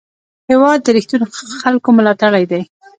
هېواد د رښتینو خلکو ملاتړی دی.